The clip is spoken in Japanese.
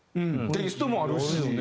テイストもあるし。